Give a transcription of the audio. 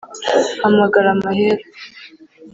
hamagara mahero